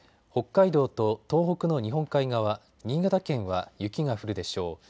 北海道と東北の日本海側、新潟県は雪が降るでしょう。